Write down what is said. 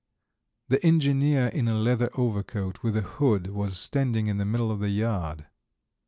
The engineer in a leather overcoat with a hood was standing in the middle of the yard.